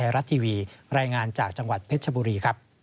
รายงานจากจังหวัดเพชรบุรีครับ